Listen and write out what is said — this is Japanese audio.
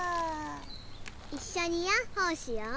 いっしょにヤッホーしよう！